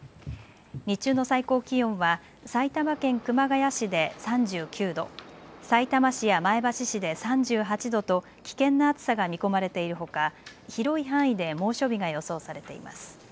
日中の最高気温は埼玉県熊谷市で３９度、さいたま市や前橋市で３８度と危険な暑さが見込まれているほか広い範囲で猛暑日が予想されています。